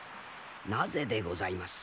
なぜでございます？